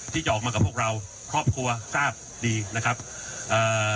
ที่จะออกมากับพวกเราครอบครัวทราบดีนะครับเอ่อ